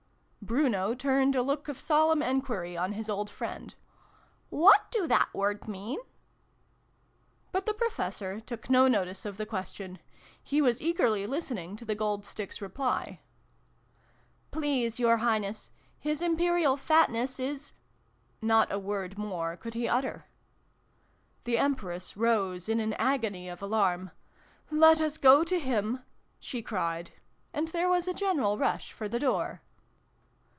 Bruno turned a look of solemn enquiry on his old friend. " What do that word mean ?" xxiv] THE BEGGAR'S RETURN. 387 But the Professor took no notice of the ques tion. He was eagerly listening to the Gold Stick's reply. " Please your Highness ! His Imperial Fat ness is Not a word more could he utter. The Empress rose in an agony of alarm. " Let us go to him !" she cried. And there was a general rush for the door.